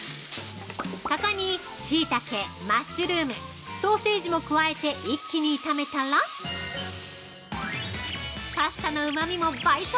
◆ここに、しいたけ、マッシュルーム、ソーセージも加えて一気に炒めたらパスタのうまみも倍増。